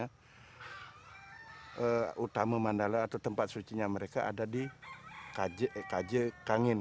kalau bali pada umumnya utama mandala atau tempat sucinya mereka ada di kaje kangin